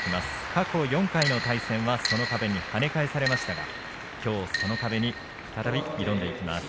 過去、４回の対戦はその壁に跳ね返されましたがきょうはその壁に再び挑んでいきます。